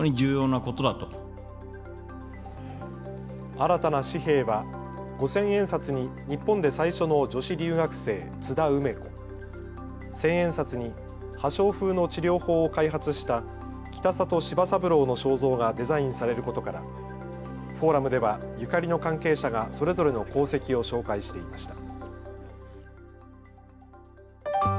新たな紙幣は五千円札に日本で最初の女子留学生、津田梅子、千円札に破傷風の治療法を開発した北里柴三郎の肖像がデザインされることからフォーラムではゆかりの関係者がそれぞれの功績を紹介していました。